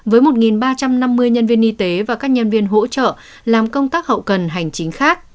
với một ba trăm năm mươi nhân viên y tế và các nhân viên hỗ trợ làm công tác hậu cần hành chính khác